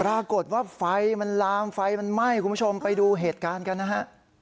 ปรากฏว่าไฟมันลามไฟมันไหม้คุณผู้ชมไปดูเหตุการณ์กันนะฮะ